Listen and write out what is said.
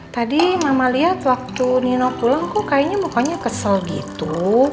tadi mama lihat waktu nino pulang kok kayaknya mukanya kesel gitu